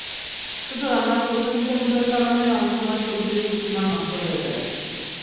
শুধু রান্নার পদ্ধতিতে ভুলের কারণে অনেক সময় সবজির পুষ্টিমান নষ্ট হয়ে যায়।